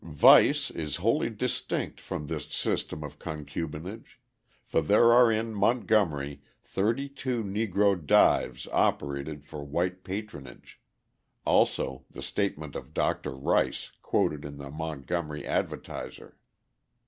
Vice is wholly distinct from this system of concubinage; for there are in Montgomery thirty two Negro dives operated for white patronage also the statement of Dr. Rice, quoted in the Montgomery Advertiser.